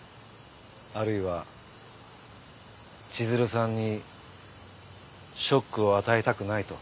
あるいは千鶴さんにショックを与えたくないと。